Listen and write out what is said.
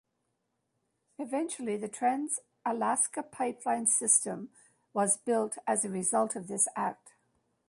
Eventually, the Trans-Alaska Pipeline System was built as a result of this act.